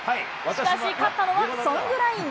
しかし、勝ったのはソングライン。